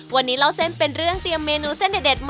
วันนี้เล่าเส้นเป็นเรื่องเตรียมเมนูเส้นเด็ดมา